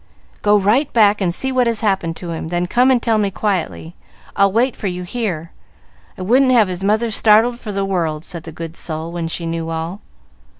"Go right back and see what has happened to him, then come and tell me quietly. I'll wait for you here. I wouldn't have his mother startled for the world," said the good soul, when she knew all.